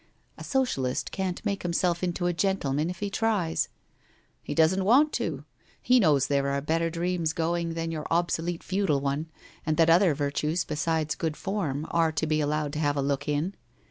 ' A Socialist can't make himself into a gentleman if he tries/ ' He doesn't want to. He knows there are better dreams going than your obsolete feudal one, and that other virtues besides good form are to be allowed to have a look in.'